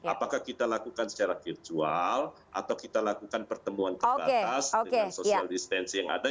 apakah kita lakukan secara virtual atau kita lakukan pertemuan terbatas dengan social distancing yang ada